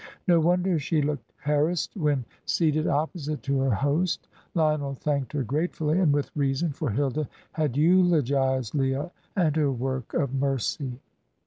No wonder she looked harassed when seated opposite to her host. Lionel thanked her gratefully, and with reason, for Hilda had eulogised Leah and her work of mercy.